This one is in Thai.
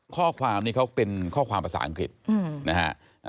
ข้อความนี้เขาเป็นข้อความภาษาอังกฤษนะฮะ